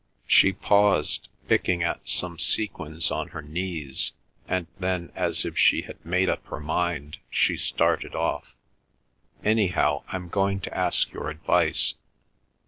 She paused, picking at some sequins on her knees, and then, as if she had made up her mind, she started off, "Anyhow, I'm going to ask your advice.